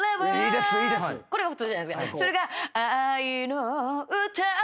それが。